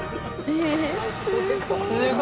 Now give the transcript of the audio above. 「えっすごい！」